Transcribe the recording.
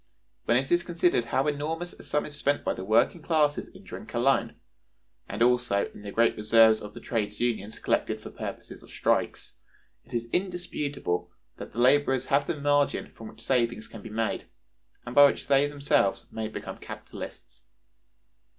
When it is considered how enormous a sum is spent by the working classes in drink alone (and also in the great reserves of the Trades Unions collected for purposes of strikes), it is indisputable that the laborers have the margin from which savings can be made, and by which they themselves may become capitalists.